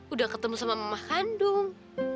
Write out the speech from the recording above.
udah ketemu sama mama kandung